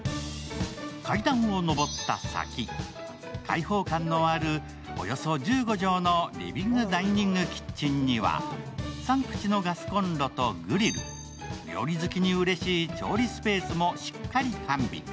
階段を登った先、開放感のあるおよそ１５畳のリビングダイニングキッチンには、３口のガスコンロとグリル、料理好きにうれしい調理スペースも完備。